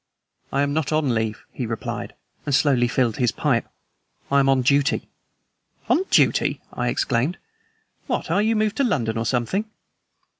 "I am not on leave," he replied, and slowly filled his pipe. "I am on duty." "On duty!" I exclaimed. "What, are you moved to London or something?"